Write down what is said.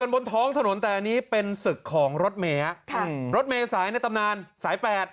บนท้องถนนแต่อันนี้เป็นศึกของรถเมฮะค่ะรถเมษายในตำนานสายแปด